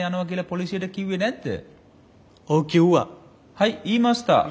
はい言いました。